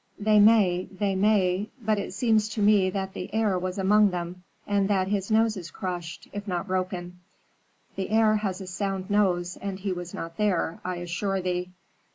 "They may they may; but it seems to me that the heir was among them, and that his nose is crushed, if not broken." "The heir has a sound nose, and he was not there, I assure thee."